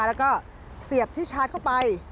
แล้วก็เสียบที่ชาร์จเข้าไป